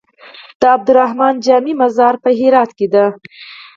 د عبدالرحمن جامي مزار په هرات کی دی